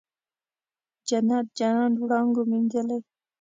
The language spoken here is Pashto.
جنت، جنت وړانګو مینځلې